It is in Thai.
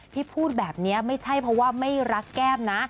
พูดแบบนี้ไม่ใช่เพราะว่าไม่รักแก้มนะ